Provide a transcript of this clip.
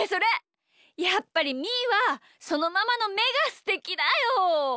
やっぱりみーはそのままのめがすてきだよ！